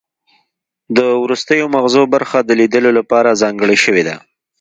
د وروستیو مغزو برخه د لیدلو لپاره ځانګړې شوې ده